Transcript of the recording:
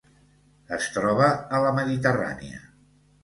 Es troba a la Mediterrània: